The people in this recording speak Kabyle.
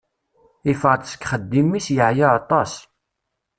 Yeffeɣ-d seg yixeddim-is, yeɛya atas.